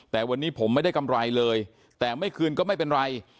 แต่วันนี้ผมไม่ได้กำไรเลยแต่ไม่คืนก็ไม่เป็นไร